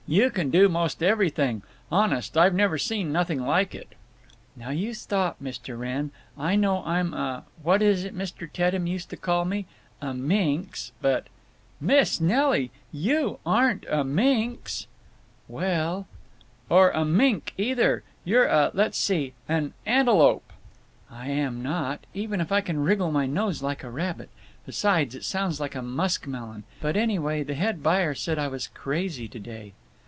You can do 'most everything. Honest, I've never seen nothing like it." "Now you stop, Mr. Wrenn. I know I'm a—what was it Mr. Teddem used to call me? A minx. But—" "Miss Nelly! You aren't a minx!" "Well—" "Or a mink, either. You're a—let's see—an antelope." "I am not! Even if I can wriggle my nose like a rabbit. Besides, it sounds like a muskmelon. But, anyway, the head buyer said I was crazy to day."